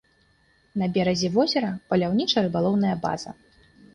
На беразе возера паляўніча-рыбалоўная база.